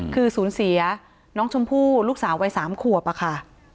คือสูญเสียน้องชมพู่ลูกสาววัย๓ขวบอะค่ะ